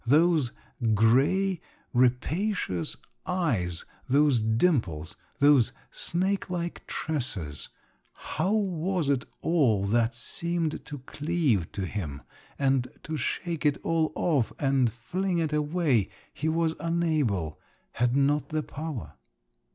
Those grey, rapacious eyes, those dimples, those snake like tresses, how was it all that seemed to cleave to him, and to shake it all off, and fling it away, he was unable, had not the power?